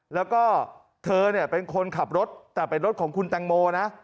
แล้วก็เธอเนี่ยเป็นคนขับรถแต่เป็นรถของคุณแตงโมนะ